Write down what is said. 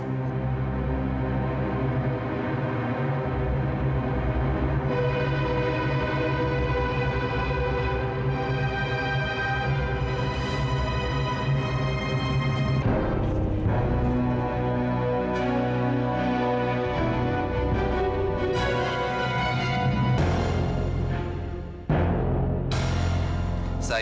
presidennya nggak terima assistant col poet